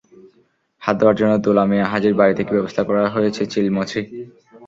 হাত ধোয়ার জন্য দুলা মিয়া হাজির বাড়ি থেকে ব্যবস্থা করা হয়েছে চিলমচি।